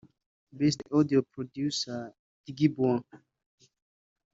Best Audio Producer – Diggy Baur